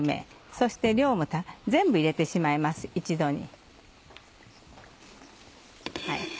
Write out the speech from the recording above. そして量も全部入れてしまいます一度に。